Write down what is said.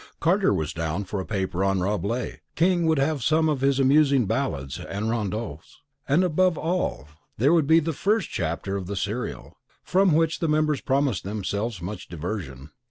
Carter was down for a paper on Rabelais; King would have some of his amusing ballades and rondeaus; and above all there would be the first chapter of the serial, from which the members promised themselves much diversion.